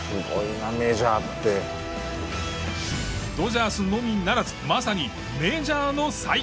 ドジャースのみならずまさにメジャーの最高峰。